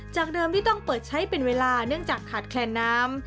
เดิมที่ต้องเปิดใช้เป็นเวลาเนื่องจากขาดแคลนน้ำ